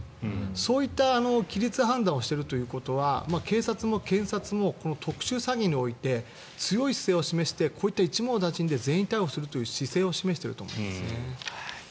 そういった規律判断をしているということは警察も検察も特殊詐欺において強い姿勢を示してこういった一網打尽で全員逮捕するという姿勢を示していると思いますね。